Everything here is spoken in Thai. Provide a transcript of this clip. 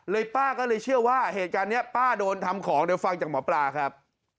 ป้าก็เลยเชื่อว่าเหตุการณ์นี้ป้าโดนทำของเดี๋ยวฟังจากหมอปลาครับ